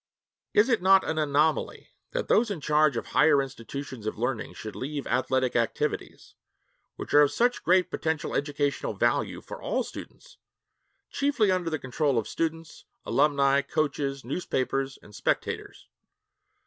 Is it not an anomaly that those in charge of higher institutions of learning should leave athletic activities, which are of such great potential educational value for all students, chiefly under the control of students, alumni, coaches, newspapers, and spectators?